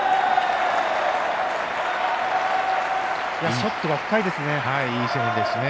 ショットが深いですね。